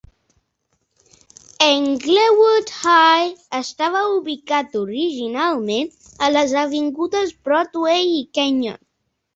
Englewood High estava ubicat originalment a les avingudes Broadway i Kenyon.